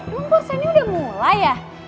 emang bursa ini udah mulai ya